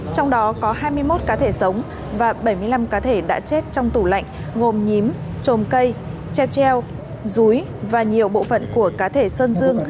trong đó có hai mươi một cá thể sống và bảy mươi năm cá thể đã chết trong tủ lạnh gồm nhím trồm cây treo rúi và nhiều bộ phận của cá thể sơn dương